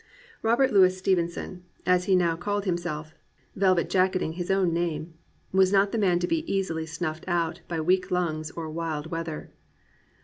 Robert Louis 362 AN ADVENTURER Stevenson, (as he now called himself, velvet jacket ing his own name,) was not the man to be easily snuffed out by weak lungs or wild weather.